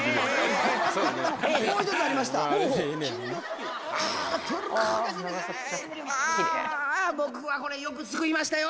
もう一つありました。